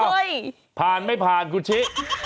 อ้าวผ่านไม่ผ่านครูชินะฮะ